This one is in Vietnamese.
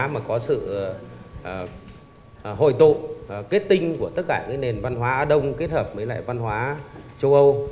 mà có sự hội tụ kết tinh của tất cả cái nền văn hóa đông kết hợp với lại văn hóa châu âu